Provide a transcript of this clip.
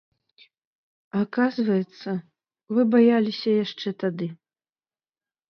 Аказваецца, вы баяліся яшчэ тады.